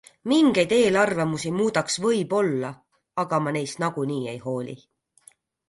Mingeid eelarvamusi muudaks võib-olla, aga ma neist nagunii ei hooli.